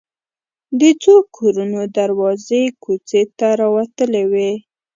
د څو کورونو دروازې کوڅې ته راوتلې وې.